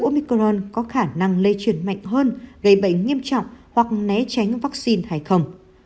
micron có khả năng lây truyền mạnh hơn gây bệnh nghiêm trọng hoặc né tránh vaccine hay không